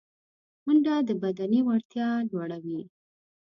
منډه د بدني وړتیا لوړوي